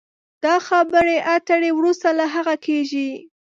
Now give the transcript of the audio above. دا خبرې اترې وروسته له هغه کېږي